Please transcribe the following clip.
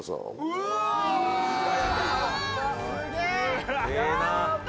すげえ。